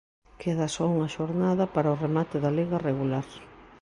Queda só unha xornada para o remate da Liga regular.